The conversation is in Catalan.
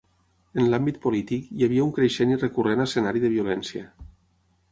En l'àmbit polític, hi havia un creixent i recurrent escenari de violència.